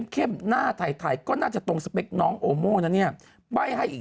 เข้มหน้าไถก็น่าจะตรงสเปคน้องโอโมนะเนี้ยใบ้ให้อีก